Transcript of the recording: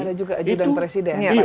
ada juga ajudan presiden